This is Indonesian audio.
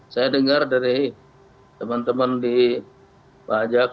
saya dengar dari teman teman di pajak